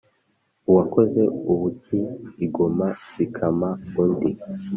uwakoze ubuki ingoma zikima undi.